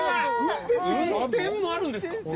運転もあるんですか。